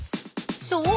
［そう。